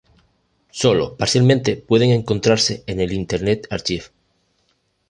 Sólo parcialmente pueden encontrarse en el Internet Archive.